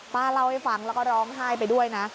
ป้าเล่าให้ฟังแล้วก็ร้องไห้ไปด้วยนะ